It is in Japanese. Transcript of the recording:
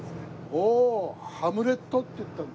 「おーハムレット」って言ったら。